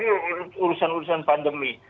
jadi itu tidak terganggu urusan urusan pandemi